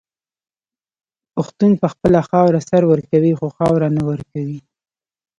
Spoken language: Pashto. پښتون په خپله خاوره سر ورکوي خو خاوره نه ورکوي.